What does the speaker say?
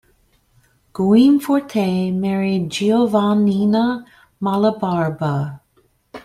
Guimforte married Giovannina Malabarba.